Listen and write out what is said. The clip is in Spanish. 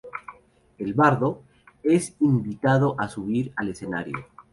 El bardo, es invitado a subir al escenario.